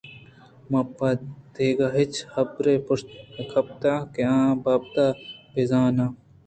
پہ من دگہ ہچ حبرے پشت نہ کپتگ کہ اے بابتءَ بہ زاناں